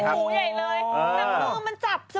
อ๋อมันเลยถูใหญ่เลยน้ำหนูมันจับสบู่อยู่